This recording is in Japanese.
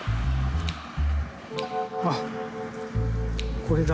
あっこれだ。